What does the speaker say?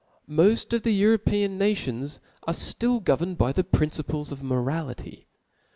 Moft of tJbe European nations are ft ill governed by the principles of morality.